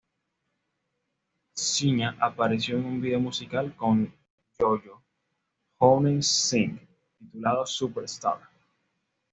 Sinha apareció en un video musical con Yo Yo Honey Singh titulado "Superstar".